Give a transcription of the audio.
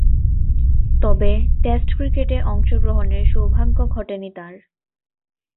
তবে, টেস্ট ক্রিকেটে অংশগ্রহণের সৌভাগ্য ঘটেনি তার।